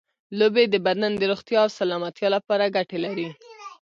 لوبې د بدن د روغتیا او سلامتیا لپاره ګټې لري.